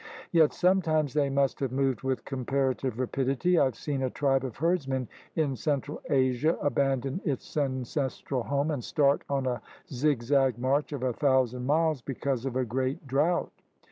Yet sometimes they may have moved with comparative rapidity. I have seen a tribe of herds men in central Asia abandon its ancestral home and start on a zigzag march of a thousand miles because of a great drought.